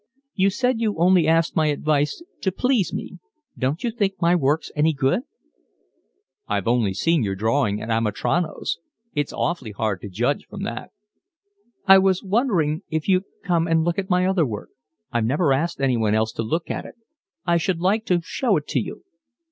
"You said you only asked my advice to please me. Don't you think my work's any good?" "I've only seen your drawing at Amitrano's. It's awfully hard to judge from that." "I was wondering if you'd come and look at my other work. I've never asked anyone else to look at it. I should like to show it to you."